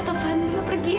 ketopan kamila pergi ya